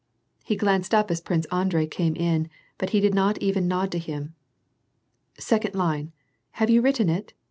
He glanced up as Prince Andrei came in, but he did not even nod to him. " Second line. Have you written it